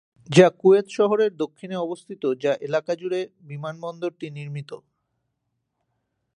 যা কুয়েত শহরের দক্ষিণে অবস্থিত, যা এলাকা জুড়ে বিমানবন্দরটি নির্মিত।